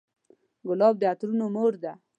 ګلاب د عطرونو مور ده.